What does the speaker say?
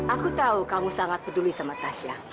aku tahu kamu sangat peduli sama tasya